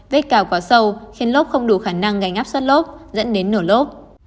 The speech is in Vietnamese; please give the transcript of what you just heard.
vết cao quá sâu khiến lốp không đủ khả năng gánh áp suất lốp dẫn đến nổ lốp